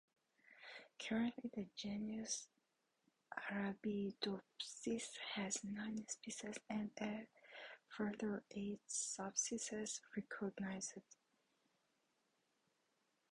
Currently, the genus "Arabidopsis" has nine species and a further eight subspecies recognised.